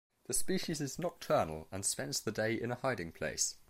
The species is nocturnal and spends the day in a hiding place.